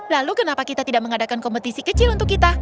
lalu kenapa kita tidak mengadakan kompetisi kecil untuk kita